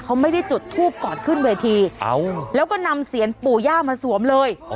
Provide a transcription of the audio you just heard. เขาไม่ได้จุดทูปก่อนขึ้นเวทีแล้วก็นำเสียนปู่ย่ามาสวมเลย